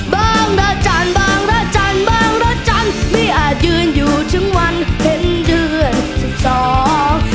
บางราชันทร์บางราชันทร์บางราชันทร์มีอาจยืนอยู่ถึงวันเห็นเดือนสิบสอง